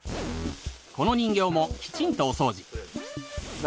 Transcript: この人形もきちんとお掃除